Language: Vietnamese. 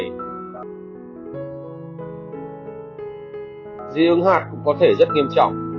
dị ứng hạt cũng có thể rất nghiêm trọng